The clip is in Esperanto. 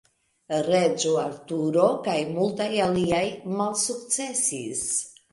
Reĝo Arturo kaj multaj aliaj malsukcesis.